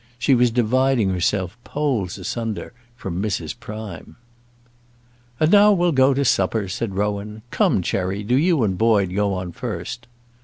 She was dividing herself poles asunder from Mrs. Prime. "And now we'll go to supper," said Rowan. "Come, Cherry; do you and Boyd go on first."